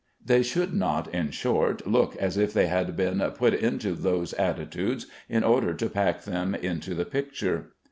They should not, in short, look as if they had been put into those attitudes in order to pack them into the picture.